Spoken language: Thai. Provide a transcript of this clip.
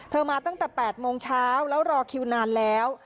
มาตั้งแต่๘โมงเช้าแล้วรอคิวนานแล้ว